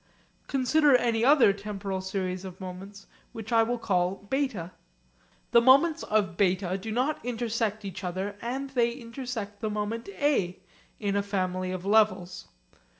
Consider any other temporal series of moments which I will call β. The moments of β do not intersect each other and they intersect the moment A in a family of levels.